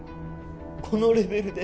このレベルで？